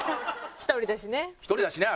１人だしね。